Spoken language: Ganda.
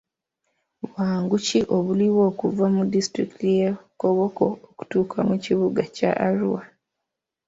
Bwangu ki obuliwo okuva mu disitulikiti y'e Koboko okutuuka mu kibuga kya Arua?